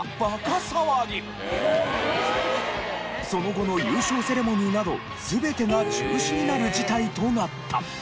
その後の優勝セレモニーなど全てが中止になる事態となった。